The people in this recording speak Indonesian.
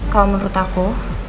kalo menurut aku